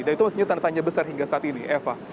dan itu masih tanda tanya besar hingga saat ini eva